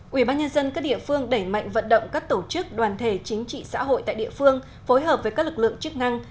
quỹ ban nhân dân các địa phương đẩy mạnh vận động các tổ chức đoàn thể chính trị xã hội tại địa phương phối hợp với các lực lượng chức năng